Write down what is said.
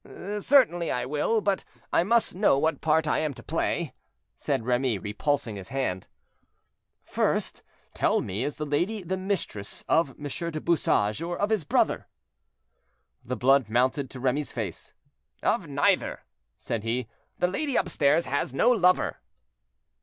"Certainly I will, but I must know what part I am to play," said Remy, repulsing his hand. "First tell me is the lady the mistress of M. du Bouchage, or of his brother?" The blood mounted to Remy's face. "Of neither," said he: "the lady upstairs has no lover."